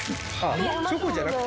チョコじゃなくて？